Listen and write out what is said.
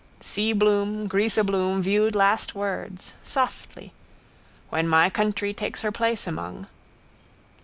Seabloom, greaseabloom viewed last words. Softly. _When my country takes her place among.